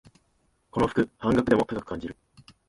この服、半額でも高く感じる